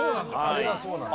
あれがそうなんだ。